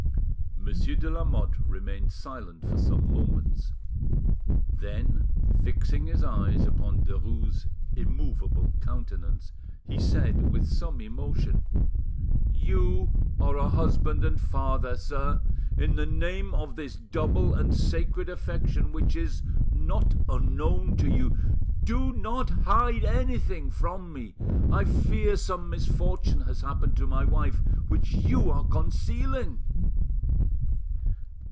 Monsieur de Lamotte remained silent for some moments. Then, fixing his eyes upon Derues' immovable countenance, he said, with some emotion— "You are a husband and father, sir; in the name of this double and sacred affection which is, not unknown to you, do not hide anything from me: I fear some misfortune has happened to my wife which you are concealing."